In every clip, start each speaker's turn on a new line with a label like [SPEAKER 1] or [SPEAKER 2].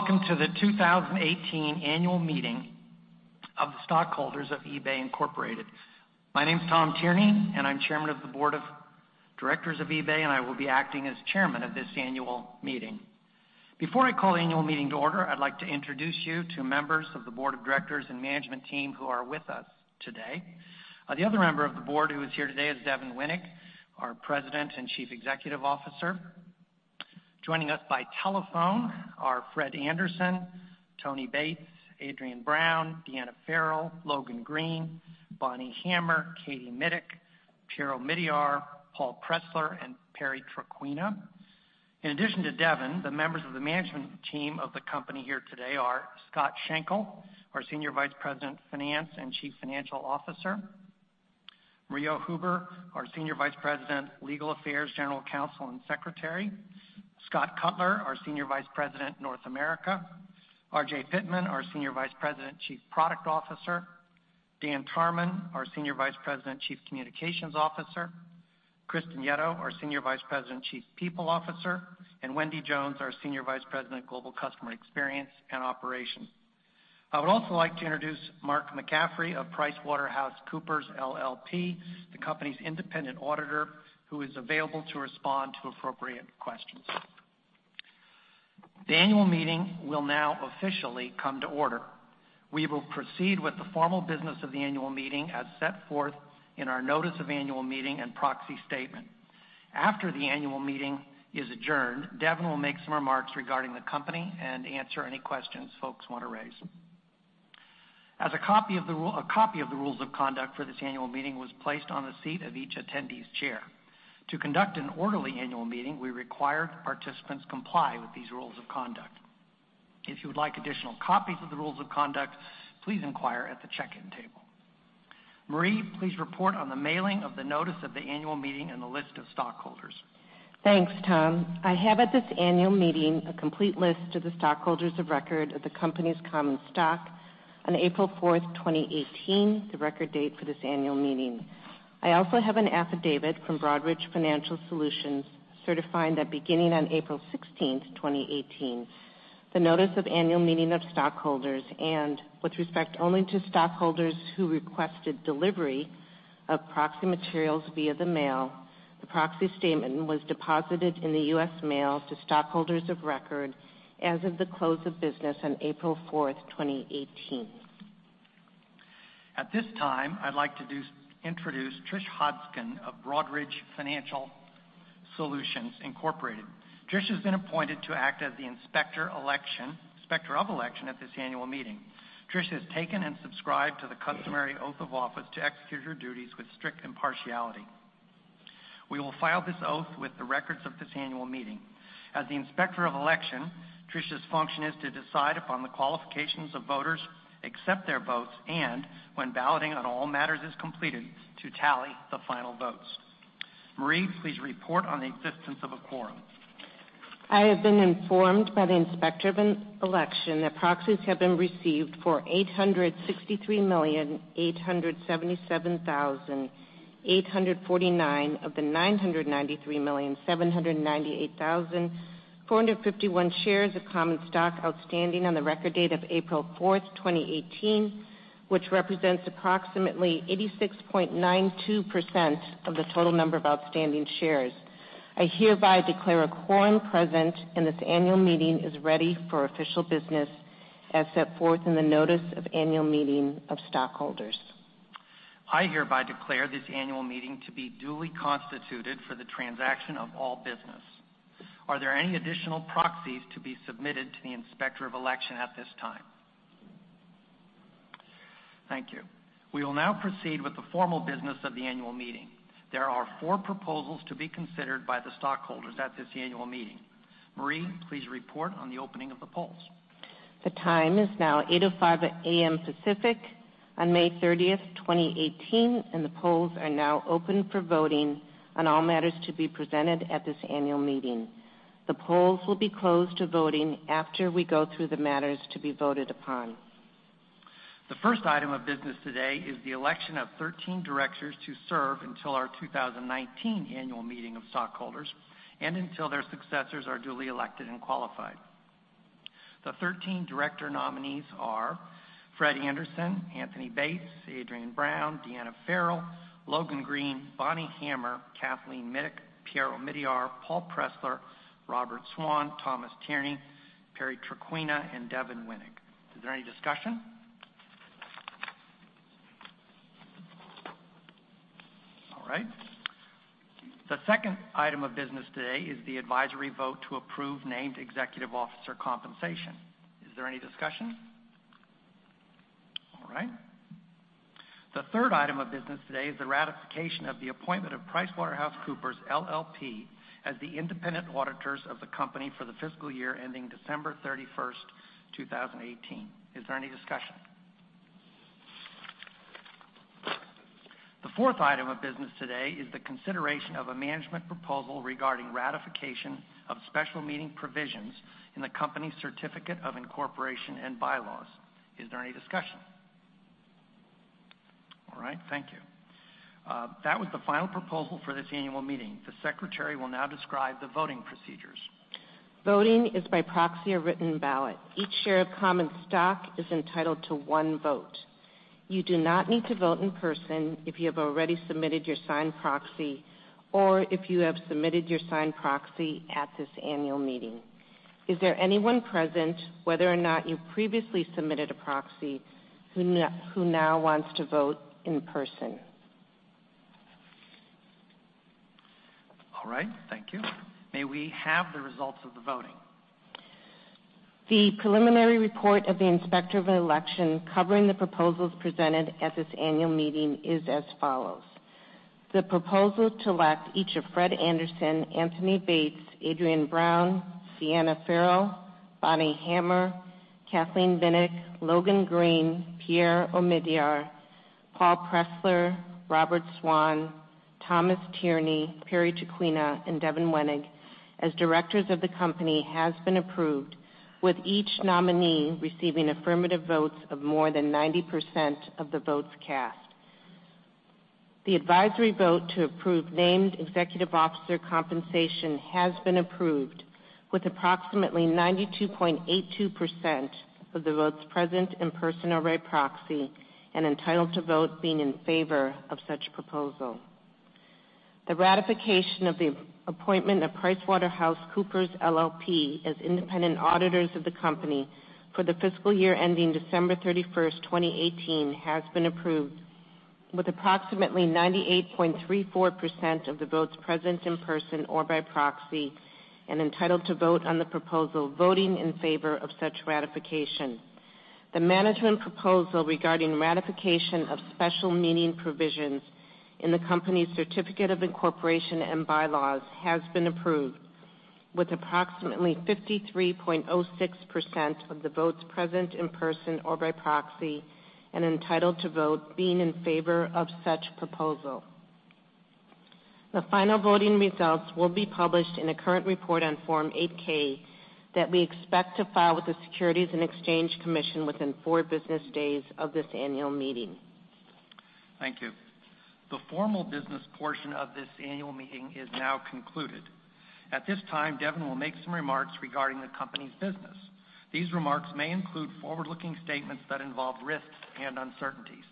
[SPEAKER 1] Welcome to the 2018 Annual Meeting of the stockholders of eBay Inc. My name's Tom Tierney, I'm Chairman of the Board of Directors of eBay, I will be acting as Chairman of this annual meeting. Before I call the annual meeting to order, I'd like to introduce you to members of the board of directors and management team who are with us today. The other member of the board who is here today is Devin Wenig, our President and Chief Executive Officer. Joining us by telephone are Fred Anderson, Tony Bates, Adriane Brown, Diana Farrell, Logan Green, Bonnie Hammer, Kathleen Mitic, Pierre Omidyar, Paul Pressler, and Perry Traquina. In addition to Devin, the members of the management team of the company here today are Scott Schenkel, our Senior Vice President of Finance and Chief Financial Officer, Marie Huber, our senior vice president, legal affairs, general counsel, and secretary, Scott Cutler, our senior vice president, Americas, RJ Pittman, our senior vice president, chief product officer, Dan Tarman, our senior vice president, chief communications officer, Kristin Yetto, our senior vice president, chief people officer, Wendy Jones, our senior vice president, global customer experience and operations. I would also like to introduce Mark McCaffrey of PricewaterhouseCoopers LLP, the company's independent auditor, who is available to respond to appropriate questions. The annual meeting will now officially come to order. We will proceed with the formal business of the annual meeting as set forth in our notice of annual meeting and proxy statement. After the annual meeting is adjourned, Devin will make some remarks regarding the company and answer any questions folks want to raise. A copy of the rules of conduct for this annual meeting was placed on the seat of each attendee's chair. To conduct an orderly annual meeting, we require participants comply with these rules of conduct. If you would like additional copies of the rules of conduct, please inquire at the check-in table. Marie, please report on the mailing of the notice of the annual meeting and the list of stockholders.
[SPEAKER 2] Thanks, Tom. I have at this annual meeting a complete list of the stockholders of record of the company's common stock on April 4th, 2018, the record date for this annual meeting. I also have an affidavit from Broadridge Financial Solutions certifying that beginning on April 16th, 2018, the notice of annual meeting of stockholders and, with respect only to stockholders who requested delivery of proxy materials via the mail, the proxy statement was deposited in the U.S. mail to stockholders of record as of the close of business on April 4th, 2018.
[SPEAKER 1] At this time, I'd like to introduce Trish Hodgdon of Broadridge Financial Solutions, Inc. Trish has been appointed to act as the inspector of election at this annual meeting. Trish has taken and subscribed to the customary oath of office to execute her duties with strict impartiality. We will file this oath with the records of this annual meeting. As the inspector of election, Trish's function is to decide upon the qualifications of voters, accept their votes, and when balloting on all matters is completed, to tally the final votes. Marie, please report on the existence of a quorum.
[SPEAKER 2] I have been informed by the inspector of election that proxies have been received for 863,877,849 of the 993,798,451 shares of common stock outstanding on the record date of April 4th, 2018, which represents approximately 86.92% of the total number of outstanding shares. I hereby declare a quorum present, and this annual meeting is ready for official business as set forth in the notice of annual meeting of stockholders.
[SPEAKER 1] I hereby declare this annual meeting to be duly constituted for the transaction of all business. Are there any additional proxies to be submitted to the inspector of election at this time? Thank you. We will now proceed with the formal business of the annual meeting. There are four proposals to be considered by the stockholders at this annual meeting. Marie, please report on the opening of the polls.
[SPEAKER 2] The time is now 8:05 A.M. Pacific on May 30th, 2018, the polls are now open for voting on all matters to be presented at this annual meeting. The polls will be closed to voting after we go through the matters to be voted upon.
[SPEAKER 1] The first item of business today is the election of 13 directors to serve until our 2019 annual meeting of stockholders and until their successors are duly elected and qualified. The 13 director nominees are Fred Anderson, Anthony Bates, Adriane Brown, Diana Farrell, Logan Green, Bonnie Hammer, Kathleen Mitic, Pierre Omidyar, Paul Pressler, Robert Swan, Thomas Tierney, Perry Traquina, and Devin Wenig. Is there any discussion? All right. The second item of business today is the advisory vote to approve named executive officer compensation. Is there any discussion? All right. The third item of business today is the ratification of the appointment of PricewaterhouseCoopers LLP as the independent auditors of the company for the fiscal year ending December 31st, 2018. Is there any discussion? The fourth item of business today is the consideration of a management proposal regarding ratification of special meeting provisions in the company's certificate of incorporation and bylaws. Is there any discussion? All right, thank you. That was the final proposal for this annual meeting. The secretary will now describe the voting procedures.
[SPEAKER 2] Voting is by proxy or written ballot. Each share of common stock is entitled to one vote. You do not need to vote in person if you have already submitted your signed proxy or if you have submitted your signed proxy at this annual meeting. Is there anyone present, whether or not you previously submitted a proxy, who now wants to vote in person?
[SPEAKER 1] All right, thank you. May we have the results of the voting?
[SPEAKER 2] The preliminary report of the Inspector of Election covering the proposals presented at this annual meeting is as follows. The proposal to elect each of Fred Anderson, Anthony Bates, Adriane M. Brown, Diana Farrell, Bonnie Hammer, Kathleen Mitic, Logan Green, Pierre Omidyar, Paul Pressler, Robert Swan, Thomas Tierney, Perry Traquina, and Devin Wenig as directors of the company has been approved, with each nominee receiving affirmative votes of more than 90% of the votes cast. The advisory vote to approve named executive officer compensation has been approved with approximately 92.82% of the votes present in person or by proxy and entitled to vote being in favor of such proposal. The ratification of the appointment of PricewaterhouseCoopers LLP as independent auditors of the company for the fiscal year ending December 31, 2018, has been approved with approximately 98.34% of the votes present in person or by proxy and entitled to vote on the proposal voting in favor of such ratification. The management proposal regarding ratification of special meeting provisions in the company's certificate of incorporation and bylaws has been approved with approximately 53.06% of the votes present in person or by proxy and entitled to vote being in favor of such proposal. The final voting results will be published in a current report on Form 8-K that we expect to file with the Securities and Exchange Commission within four business days of this annual meeting.
[SPEAKER 1] Thank you. The formal business portion of this annual meeting is now concluded. At this time, Devin will make some remarks regarding the company's business. These remarks may include forward-looking statements that involve risks and uncertainties.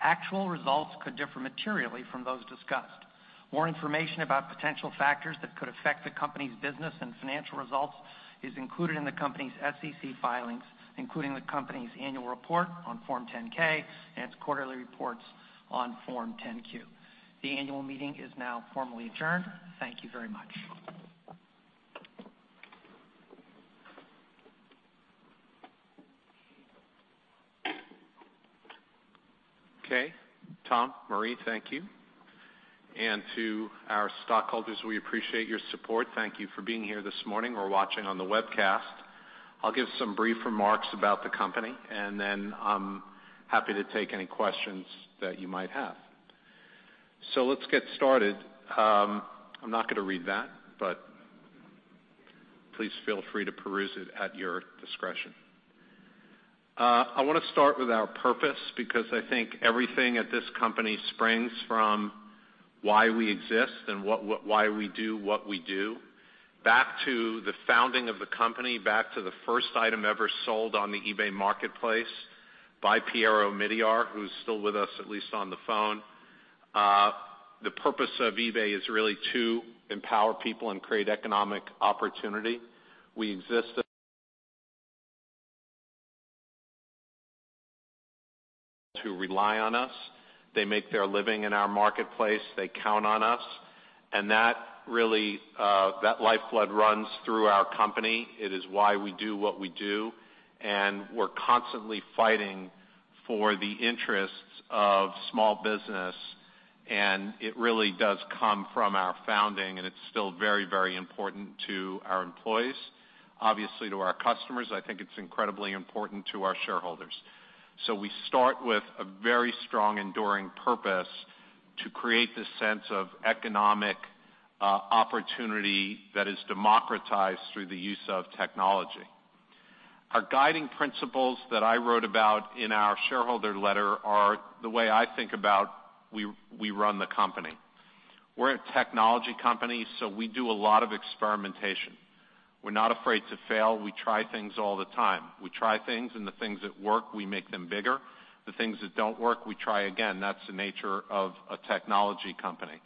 [SPEAKER 1] Actual results could differ materially from those discussed. More information about potential factors that could affect the company's business and financial results is included in the company's SEC filings, including the company's annual report on Form 10-K and its quarterly reports on Form 10-Q. The annual meeting is now formally adjourned. Thank you very much.
[SPEAKER 3] Okay, Tom, Marie, thank you. To our stockholders, we appreciate your support. Thank you for being here this morning or watching on the webcast. I'll give some brief remarks about the company, and then I'm happy to take any questions that you might have. Let's get started. I'm not going to read that, but please feel free to peruse it at your discretion. I want to start with our purpose because I think everything at this company springs from why we exist and why we do what we do. Back to the founding of the company, back to the first item ever sold on the eBay marketplace by Pierre Omidyar, who's still with us, at least on the phone. The purpose of eBay is really to empower people and create economic opportunity. We exist to rely on us. They make their living in our marketplace. They count on us. That lifeblood runs through our company. It is why we do what we do. We're constantly fighting for the interests of small business. It really does come from our founding. It's still very important to our employees, obviously to our customers. I think it's incredibly important to our shareholders. We start with a very strong, enduring purpose to create this sense of economic opportunity that is democratized through the use of technology. Our guiding principles that I wrote about in our shareholder letter are the way I think about we run the company. We're a technology company. We do a lot of experimentation. We're not afraid to fail. We try things all the time. We try things. The things that work, we make them bigger. The things that don't work, we try again. That's the nature of a technology company.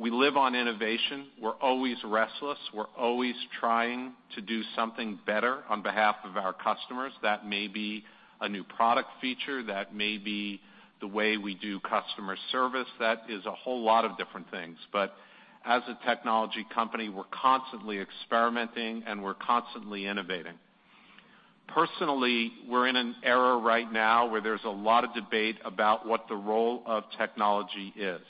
[SPEAKER 3] We live on innovation. We're always restless. We're always trying to do something better on behalf of our customers. That may be a new product feature. That may be the way we do customer service. That is a whole lot of different things. As a technology company, we're constantly experimenting. We're constantly innovating. Personally, we're in an era right now where there's a lot of debate about what the role of technology is.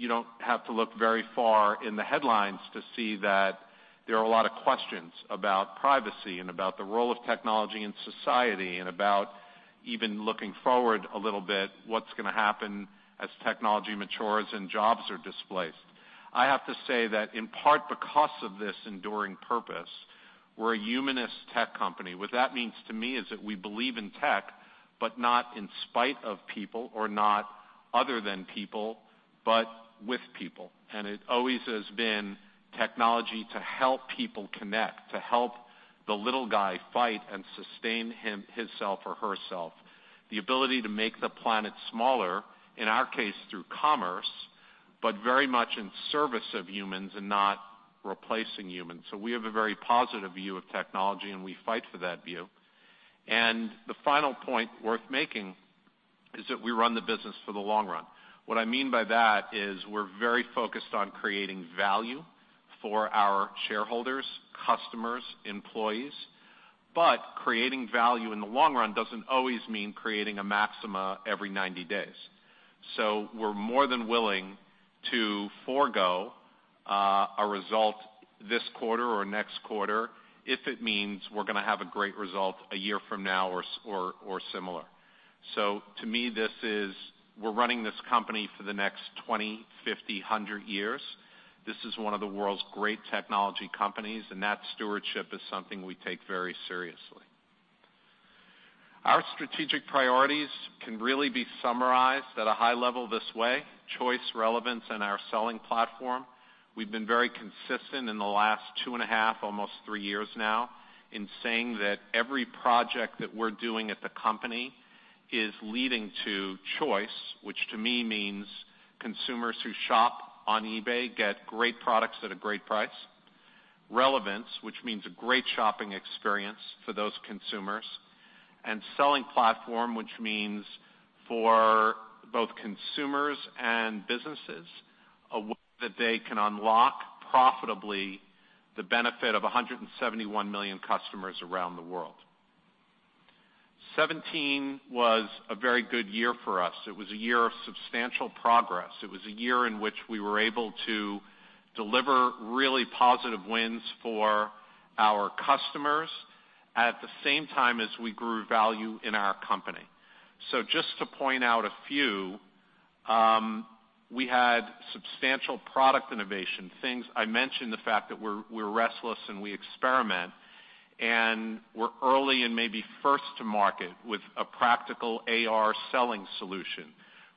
[SPEAKER 3] You don't have to look very far in the headlines to see that there are a lot of questions about privacy and about the role of technology in society and about even looking forward a little bit, what's going to happen as technology matures and jobs are displaced. I have to say that in part, because of this enduring purpose, we're a humanist tech company. What that means to me is that we believe in tech, not in spite of people or not other than people, but with people. It always has been technology to help people connect, to help the little guy fight and sustain himself or herself. The ability to make the planet smaller, in our case, through commerce, but very much in service of humans and not replacing humans. We have a very positive view of technology. We fight for that view. The final point worth making is we run the business for the long run. What I mean by that is we're very focused on creating value for our shareholders, customers, employees. Creating value in the long run doesn't always mean creating a maxima every 90 days. We're more than willing to forego a result this quarter or next quarter if it means we're going to have a great result a year from now or similar. To me, we're running this company for the next 20, 50, 100 years. This is one of the world's great technology companies. That stewardship is something we take very seriously. Our strategic priorities can really be summarized at a high level this way, choice, relevance, and our selling platform. We've been very consistent in the last two and a half, almost three years now, in saying that every project that we're doing at the company is leading to choice, which to me means consumers who shop on eBay get great products at a great price. Relevance, which means a great shopping experience for those consumers, and selling platform, which means for both consumers and businesses, a way that they can unlock profitably the benefit of 171 million customers around the world. 2017 was a very good year for us. It was a year of substantial progress. It was a year in which we were able to deliver really positive wins for our customers at the same time as we grew value in our company. Just to point out a few, we had substantial product innovation. I mentioned the fact that we're restless, and we experiment, and we're early and maybe first to market with a practical AR selling solution.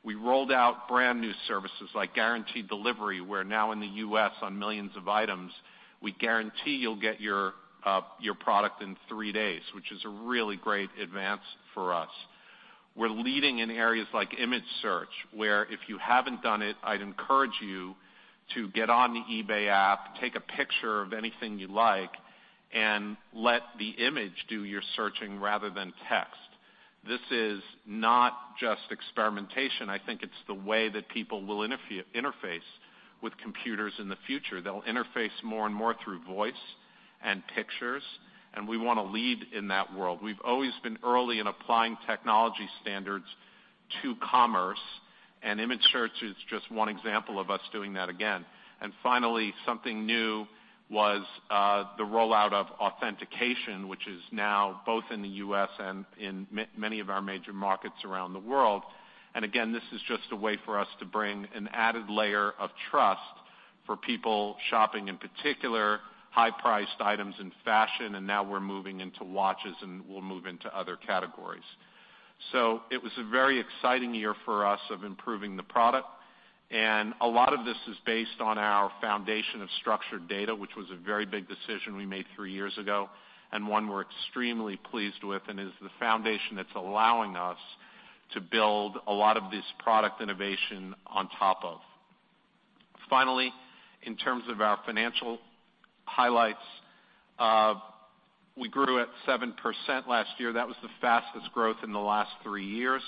[SPEAKER 3] We rolled out brand-new services like guaranteed delivery, where now in the U.S. on millions of items, we guarantee you'll get your product in three days, which is a really great advance for us. We're leading in areas like image search, where if you haven't done it, I'd encourage you to get on the eBay app, take a picture of anything you like, and let the image do your searching rather than text. This is not just experimentation. I think it's the way that people will interface with computers in the future. They'll interface more and more through voice and pictures, and we want to lead in that world. We've always been early in applying technology standards to commerce, and image search is just one example of us doing that again. Finally, something new was the rollout of authentication, which is now both in the U.S. and in many of our major markets around the world. Again, this is just a way for us to bring an added layer of trust for people shopping, in particular, high-priced items in fashion, and now we're moving into watches, and we'll move into other categories. It was a very exciting year for us of improving the product, and a lot of this is based on our foundation of structured data, which was a very big decision we made three years ago and one we're extremely pleased with and is the foundation that's allowing us to build a lot of this product innovation on top of. Finally, in terms of our financial highlights, we grew at 7% last year. That was the fastest growth in the last three years.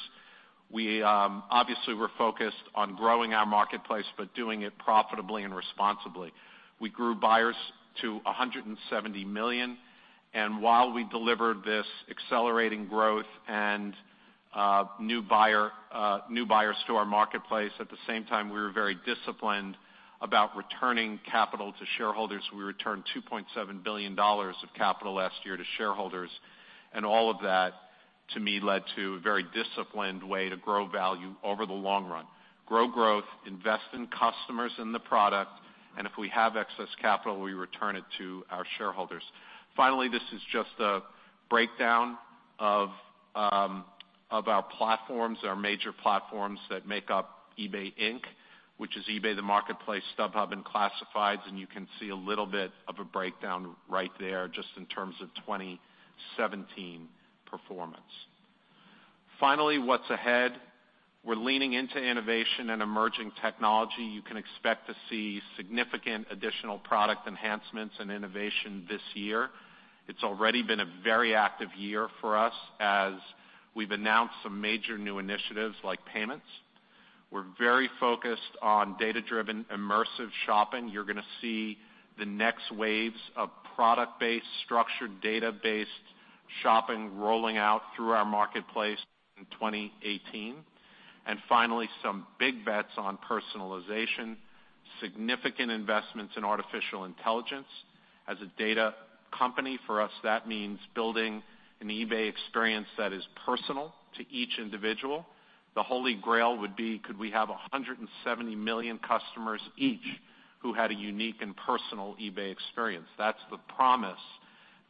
[SPEAKER 3] We obviously were focused on growing our marketplace, but doing it profitably and responsibly. We grew buyers to 170 million. While we delivered this accelerating growth and new buyers to our marketplace, at the same time, we were very disciplined about returning capital to shareholders. We returned $2.7 billion of capital last year to shareholders. All of that, to me, led to a very disciplined way to grow value over the long run. Grow growth, invest in customers and the product. If we have excess capital, we return it to our shareholders. Finally, this is just a breakdown of our platforms, our major platforms that make up eBay Inc., which is eBay, the marketplace, StubHub, and Classifieds. You can see a little bit of a breakdown right there just in terms of 2017 performance. Finally, what's ahead? We're leaning into innovation and emerging technology. You can expect to see significant additional product enhancements and innovation this year. It's already been a very active year for us as we've announced some major new initiatives like payments. We're very focused on data-driven, immersive shopping. You're going to see the next waves of product-based, structured data-based shopping rolling out through our marketplace in 2018. Finally, some big bets on personalization, significant investments in artificial intelligence. As a data company, for us, that means building an eBay experience that is personal to each individual. The Holy Grail would be, could we have 170 million customers each who had a unique and personal eBay experience? That's the promise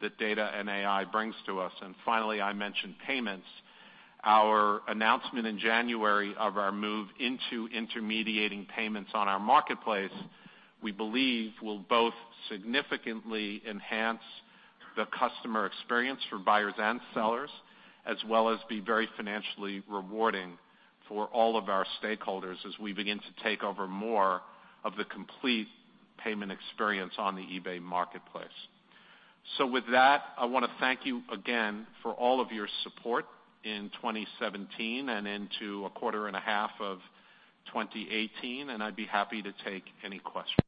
[SPEAKER 3] that data and AI brings to us. Finally, I mentioned payments. Our announcement in January of our move into intermediating payments on our marketplace, we believe will both significantly enhance the customer experience for buyers and sellers, as well as be very financially rewarding for all of our stakeholders as we begin to take over more of the complete payment experience on the eBay marketplace. With that, I want to thank you again for all of your support in 2017 and into a quarter and a half of 2018, I'd be happy to take any questions.